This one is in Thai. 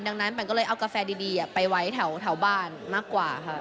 ดังนั้นมันก็เลยเอากาแฟดีไปไว้แถวบ้านมากกว่าค่ะ